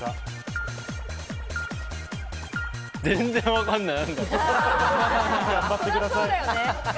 全然わかんない。